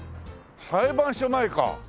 「裁判所前」か。